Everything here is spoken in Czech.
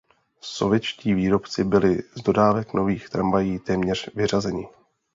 Sovětští výrobci byli z dodávek nových tramvají téměř vyřazeni.